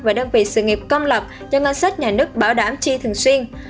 và đơn vị sự nghiệp công lập do ngân sách nhà nước bảo đảm chi thường xuyên